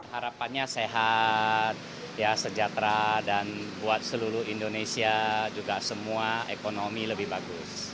harapannya sehat sejahtera dan buat seluruh indonesia juga semua ekonomi lebih bagus